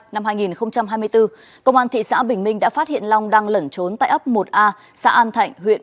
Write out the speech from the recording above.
năm hai nghìn hai mươi bốn công an thị xã bình minh đã phát hiện long đang lẩn trốn tại ấp một a xã an thạnh huyện